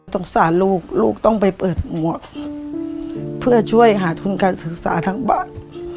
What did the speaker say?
สงสารลูกลูกต้องไปเปิดหมวกเพื่อช่วยหาทุนการศึกษาทั้งบาท